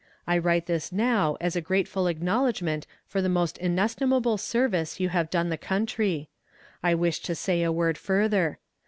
I write this now as a grateful acknowledgment for the almost inestimable service you have done the country. I wish to say a word further.